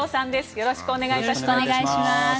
よろしくお願いします。